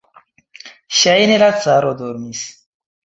Ŝajne la caro dormis.